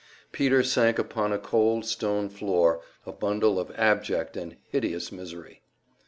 Peter sank upon a cold stone floor, a bundle of abject and hideous misery.